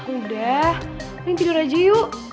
udah ini tidur aja yuk